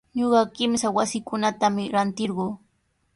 Ñuqa kimsa wasikunatami rantirquu.